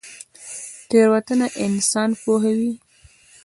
تیروتنه انسان پوهوي